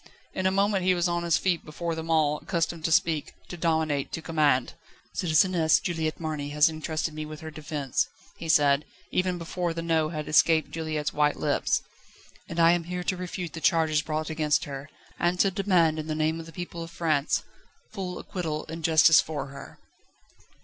In a moment he was on his feet before them all, accustomed to speak, to dominate, to command. "Citizeness Juliette Marny has entrusted me with her defence," he said, even before the No had escaped Juliette's white lips, "and I am here to refute the charges brought against her, and to demand in the name of the people of France full acquittal and justice for her."